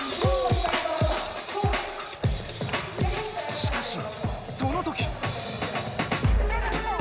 しかしそのとき。